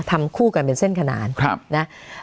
ทำคู่กันเป็นเส้นขนานนะ